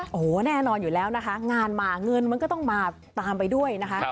โอ้โหแน่นอนอยู่แล้วนะคะงานมาเงินมันก็ต้องมาตามไปด้วยนะคะ